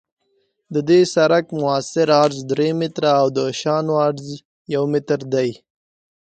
د دې سرک مؤثر عرض درې متره او د شانو عرض یو متر دی